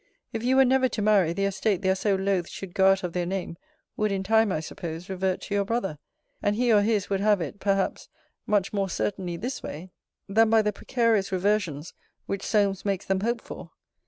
If you were never to marry, the estate they are so loth should go out of their name, would, in time, I suppose, revert to your brother: and he or his would have it, perhaps, much more certainly this way, than by the precarious reversions which Solmes makes them hope for.